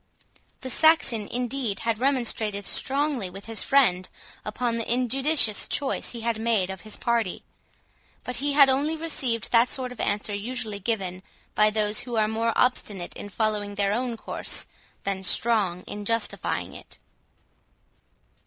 The Saxon, indeed, had remonstrated strongly with his friend upon the injudicious choice he had made of his party; but he had only received that sort of answer usually given by those who are more obstinate in following their own course, than strong in justifying it.